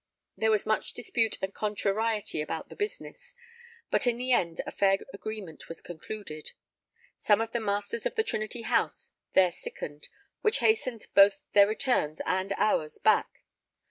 There was much dispute and contrariety about the business, but in the end a fair agreement was concluded. Some of the Masters of the Trinity House there sickened, which hastened both their returns and ours back.